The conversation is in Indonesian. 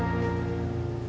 idan selalu berharga